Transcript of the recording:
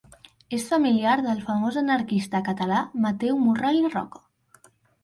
És familiar del famós anarquista català Mateu Morral i Roca.